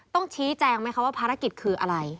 ต้องชี้แจงไหมคะว่าภารกิจคืออะไร